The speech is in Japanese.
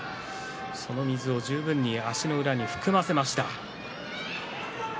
その水を十分に足の裏に含ませました。